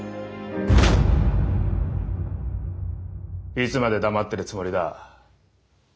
いつまで黙ってるつもりだ。